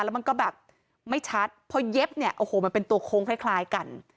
แล้วมันก็แบบไม่ชัดพอเย็บเนี่ยโอ้โหมันเป็นตัวโค้งคล้ายกัน